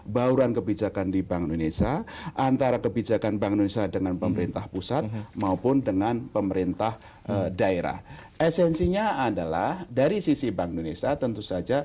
bauran kebijakan di bank indonesia antara kebijakan bank indonesia dengan pemerintah pusat maupun dengan pemerintah